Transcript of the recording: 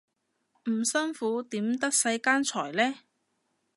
唔辛苦點得世間財呢